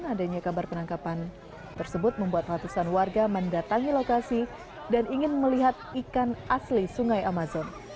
adanya kabar penangkapan tersebut membuat ratusan warga mendatangi lokasi dan ingin melihat ikan asli sungai amazon